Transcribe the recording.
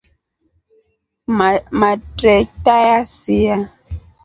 Matreta yasia.